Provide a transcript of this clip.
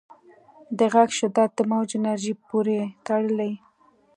د غږ شدت د موج انرژۍ پورې تړلی.